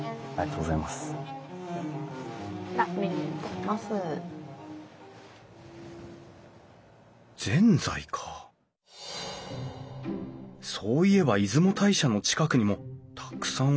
そういえば出雲大社の近くにもたくさんお店があったなあ